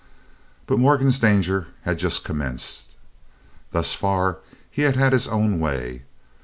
But Morgan's danger had just commenced. Thus far he had had his own way.